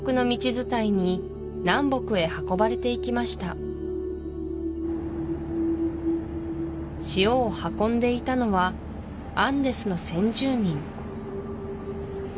伝いに南北へ運ばれていきました塩を運んでいたのはアンデスの先住民